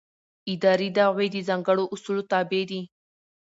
اداري دعوې د ځانګړو اصولو تابع دي.